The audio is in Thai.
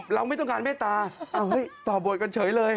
เราไม่ต้องการเมตตาต่อบทกันเฉยเลย